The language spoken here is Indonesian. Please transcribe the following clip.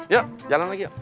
yuk jalan lagi yuk